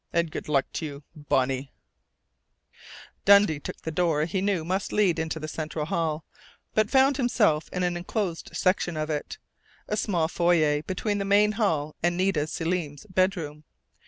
And good luck to you, Bonnie!" Dundee took the door he knew must lead into the central hall, but found himself in an enclosed section of it a small foyer between the main hall and Nita Selim's bedroom.